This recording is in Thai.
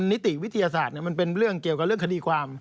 นิติวิทยาศาสตร์มันเป็นเรื่องเกี่ยวกับเรื่องคดีความ